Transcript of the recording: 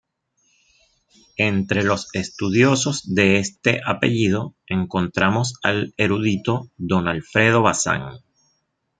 Entre los estudiosos de este apellido encontramos al erudito Don Alfredo Basan.